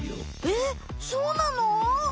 えそうなの？